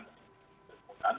pasti tentunya dengan perhatian